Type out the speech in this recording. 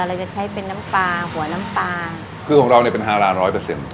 เราจะใช้เป็นน้ำปลาหัวน้ำปลาคือของเราเนี่ยเป็นฮาราร้อยเปอร์เซ็นต์